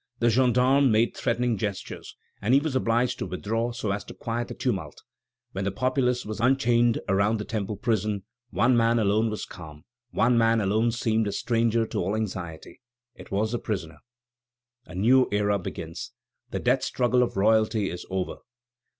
The gendarmes made threatening gestures, and he was obliged to withdraw so as to quiet the tumult. While the populace was unchained around the Temple prison, one man alone was calm, one man alone seemed a stranger to all anxiety: it was the prisoner. A new era begins. The death struggle of royalty is over.